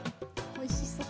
おいしそう。